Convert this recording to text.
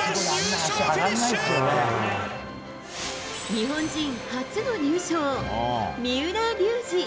日本人初の入賞、三浦龍司。